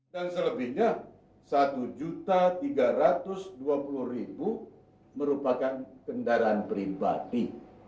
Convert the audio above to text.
dan selebihnya satu tiga ratus dua puluh merupakan kendaraan pribadi